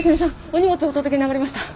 お荷物お届けに上がりました。